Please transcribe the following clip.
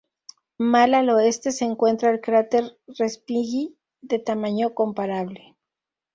Más al oeste se encuentra el cráter Respighi, de tamaño comparable.